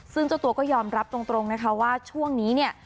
ซึ่งเจ้าตัวก็ยอมรับตรงนะคะว่าช่วงนี้เนี่ย